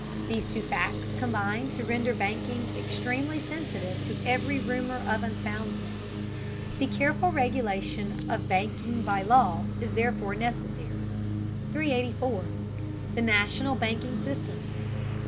These two facts combine to render banking extremely sensitive to every rumor of unsoundness. The careful regulation of banking by law is therefore necessary. 384. THE NATIONAL BANKING SYSTEM.